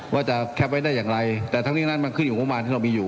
ว่าจะแคปไว้ได้อย่างไรแต่ทั้งนี้นั้นมันขึ้นอยู่ประมาณที่เรามีอยู่